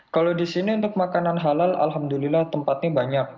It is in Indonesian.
kalau di sini untuk makanan halal alhamdulillah tempatnya banyak